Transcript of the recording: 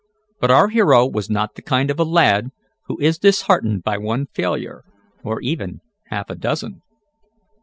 But our hero was not the kind of a lad who is disheartened by one failure, or even half a dozen.